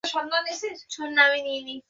কী বলেছেন তিনি?